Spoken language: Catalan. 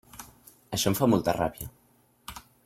Això em fa molta ràbia.